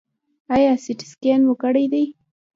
ایا سټي سکن مو کړی دی؟